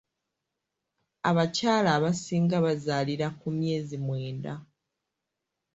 Abakyala abasinga bazaalira ku myezi mwenda.